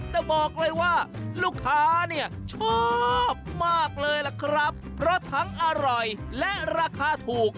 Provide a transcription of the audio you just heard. แต่บอกเลยว่าลูกค้าเนี่ยชอบมากเลยล่ะครับเพราะทั้งอร่อยและราคาถูก